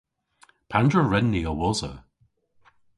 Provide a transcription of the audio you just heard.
Pandr'a wren ni a-wosa?